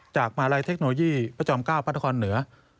มาลัยเทคโนโลยีพระจอม๙พระนครเหนือ